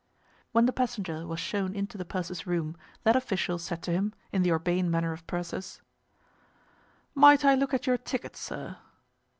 When the passenger was shown into the purser's room that official said to him, in the urbane manner of pursers— "Might I look at your ticket, sir?"